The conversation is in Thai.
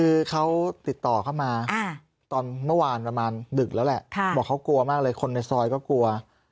คือเขาติดต่อเข้ามาตอนเมื่อวานประมาณดึกแล้วแหละบอกเขากลัวมากเลยคนในซอยก็กลัว